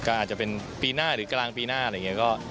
ก็อาจจะเป็นปีหน้าหรือกลางปีหน้าอะไรอย่างนี้